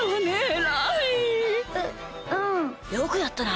よくやったな！